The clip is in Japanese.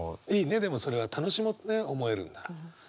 でもそれは楽しもうねっ思えるんなら。